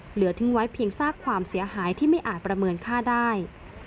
เหลือทิ้งไว้เพียงซากความเสียหายที่ไม่อาจประเมินค่าได้